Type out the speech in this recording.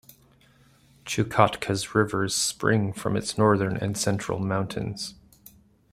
Chukotka's rivers spring from its northern and central mountains.